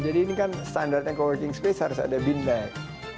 jadi ini kan standarnya ke working space harus ada bin bag